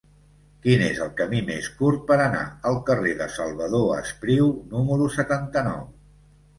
Quin és el camí més curt per anar al carrer de Salvador Espriu número setanta-nou?